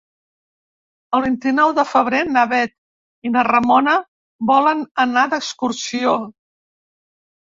El vint-i-nou de febrer na Bet i na Ramona volen anar d'excursió.